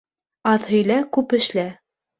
Аҙ һөйлә, күп эшлә.